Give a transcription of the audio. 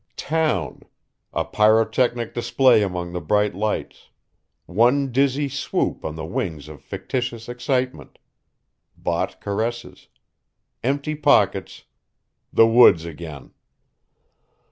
Town a pyrotechnic display among the bright lights one dizzy swoop on the wings of fictitious excitement bought caresses empty pockets the woods again!